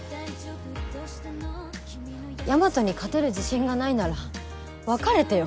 大和に勝てる自信がないなら別れてよ